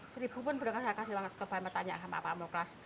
seribu pun belum saya kasih uang ke parlament tayang sama pak bak makkas